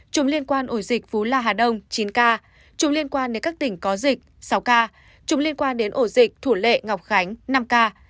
chúng liên quan ổ dịch phú la hà đông chín ca chúng liên quan đến các tỉnh có dịch sáu ca chúng liên quan đến ổ dịch thủ lệ ngọc khánh năm ca